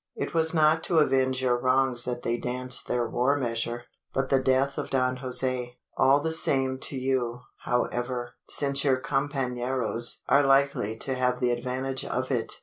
It was not to avenge your wrongs that they danced their war measure but the death of Don Jose. All the same to you, however: since your companeros are likely to have the advantage of it.